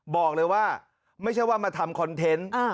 บอกเลยว่าไม่ใช่ว่ามาทำคอนเทนต์